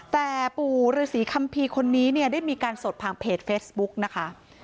แต่ปู่ฤษีคัมภีร์คนนี้เนี่ยได้มีการสดผ่านเพจเฟซบุ๊กนะคะ